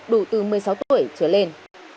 đủ từ một mươi sáu tuổi trở lên